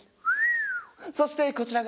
そしてこちらが。